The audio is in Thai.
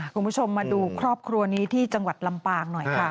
คุณผู้ชมมาดูครอบครัวนี้ที่จังหวัดลำปางหน่อยค่ะ